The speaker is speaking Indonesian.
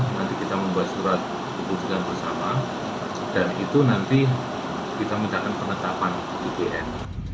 nanti kita membuat surat kebutuhan bersama dan itu nanti kita mencari penetapan di bn